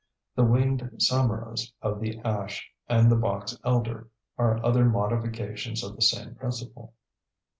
The winged samaras of the ash and the box elder are other modifications of the same principle.